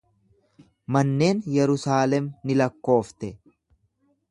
Manneen Yerusaalem ni lakkoofte.